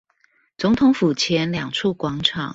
總統府前兩處廣場